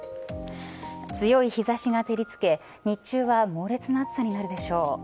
強い日差しが照りつけ日中は猛烈な暑さになるでしょう。